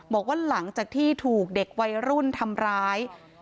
บอกว่าหลังจากที่ถูกเด็กวัยรุ่นทำร้าย